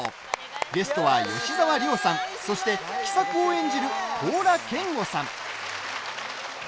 ゲストは吉沢亮さん、そして喜作を演じる高良健吾さん。